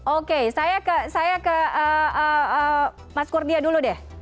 oke saya ke mas kurdia dulu deh